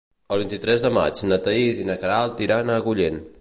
El vint-i-tres de maig na Thaís i na Queralt iran a Agullent.